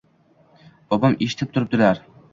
Bobom eshitib turibdilar.